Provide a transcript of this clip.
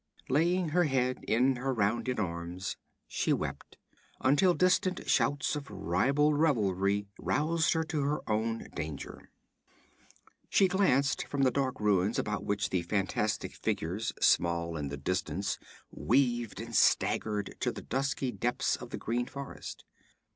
Laying her head in her rounded arms she wept, until distant shouts of ribald revelry roused her to her own danger. She glanced from the dark ruins about which the fantastic figures, small in the distance, weaved and staggered, to the dusky depths of the green forest.